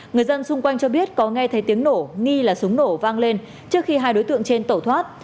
người dân xung quanh cho biết có nghe thấy tiếng nổ nghi là súng nổ vang lên trước khi hai đối tượng trên tẩu thoát